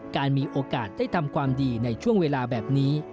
การมีโอกาสได้ทำความดีในช่วงเวลาแบบนี้